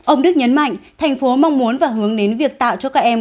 ông đức nhấn mạnh thành phố mong muốn và hướng đến việc tạo cho các em